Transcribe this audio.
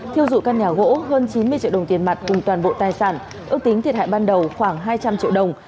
thiêu dụi căn nhà gỗ hơn chín mươi triệu đồng tiền mặt cùng toàn bộ tài sản ước tính thiệt hại ban đầu khoảng hai trăm linh triệu đồng